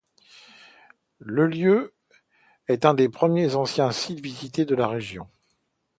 Le lieu est un des plus anciens sites visités de la région.